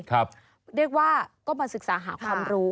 เรียกว่าก็มาศึกษาหาความรู้